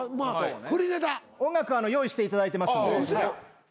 音楽は用意していただいてますんで。